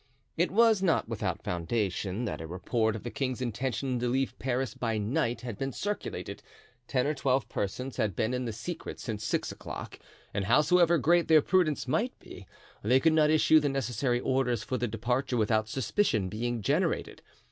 It was not without foundation that a report of the king's intention to leave Paris by night had been circulated. Ten or twelve persons had been in the secret since six o'clock, and howsoever great their prudence might be, they could not issue the necessary orders for the departure without suspicion being generated.